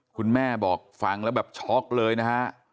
คุณแม่บอกฟังแล้วแบบช็อกเลยนะฮะ